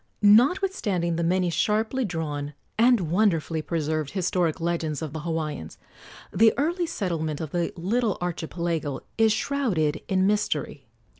Notwithstanding the many sharply drawn and wonderfully preserved historic legends of the Hawaiians, the early settlement of the little archipelago is shrouded in mystery.